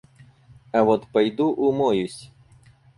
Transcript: А вот пойду умоюсь.